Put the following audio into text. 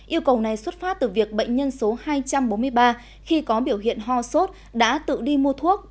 yêu cầu này xuất phát từ việc bệnh nhân số hai trăm bốn mươi ba khi có biểu hiện ho sốt đã tự đi mua thuốc